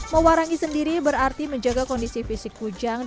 mewarangi sendiri berarti menjaga kondisi fisik kujang